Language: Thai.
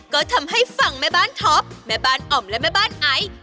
ก็ทำให้ฝั่งแม่บ้านท็อปแม่บ้านอ่อมและแม่บ้านไอ